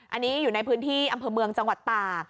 อันนี้อยู่ในพื้นที่อำเภอเมืองจังหวัดตาก